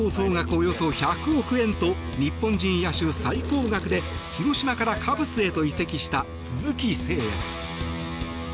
およそ１００億円と日本人野手最高額で広島からカブスへと移籍した鈴木誠也。